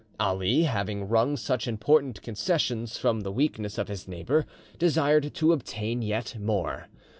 Ali, having wrung such important concessions from the weakness of his neighbour, desired to obtain yet more.